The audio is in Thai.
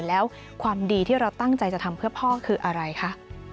แล้วความดีที่เราตั้งใจจะทำเพื่อพ่อคืออะไรคะ